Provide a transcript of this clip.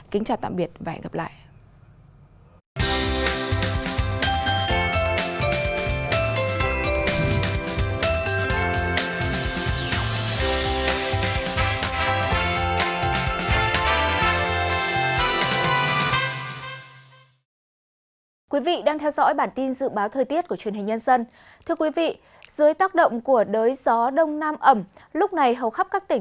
kính chào tạm biệt và hẹn gặp lại